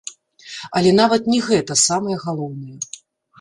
Але нават не гэта самае галоўнае.